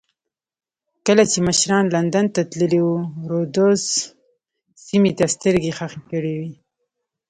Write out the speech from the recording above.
کله چې مشران لندن ته تللي وو رودز سیمې ته سترګې خښې کړې وې.